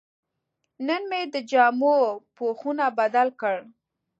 نن مې د جامو پوښونه بدل کړل.